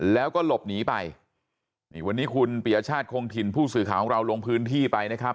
แล้วก็หลบหนีไปนี่วันนี้คุณปียชาติคงถิ่นผู้สื่อข่าวของเราลงพื้นที่ไปนะครับ